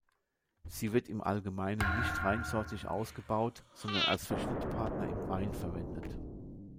Sie wird im Allgemeinen nicht reinsortig ausgebaut, sondern als Verschnittpartner im Wein verwendet.